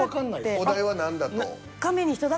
お題は何だと？